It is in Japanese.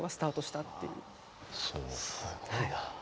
すごいなぁ。